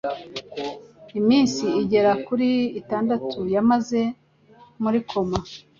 Iminsi igera kuri itandatu yamaze muri koma